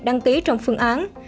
đăng ký trong phương án